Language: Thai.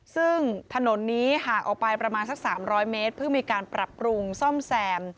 ซึ่งถนนนี้ห่างออกไปประมาณสัก๓๐๐เมตรเพิ่งมีการปรับปรุงซ่อมแซม